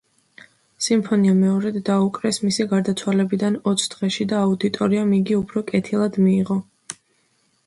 სიმფონია მეორედ დაუკრეს მისი გარდაცვალებიდან ოც დღეში და აუდიტორიამ იგი უფრო კეთილად მიიღო.